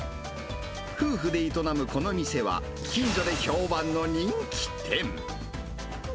夫婦で営むこの店は、近所で評判の人気店。